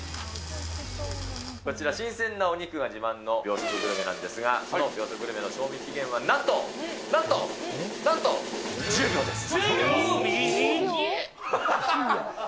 こちら、新鮮なお肉が自慢の秒速グルメなんですが、その秒速グルメの賞味期限はなんと、なんと、なんと１０秒です。